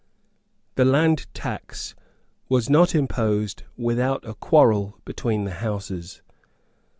The land tax was not imposed without a quarrel between the Houses.